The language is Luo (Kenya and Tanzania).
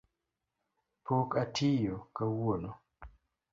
Pok atiyo kawuono.